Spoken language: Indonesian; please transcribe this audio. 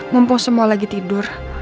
mumpung semua lagi tidur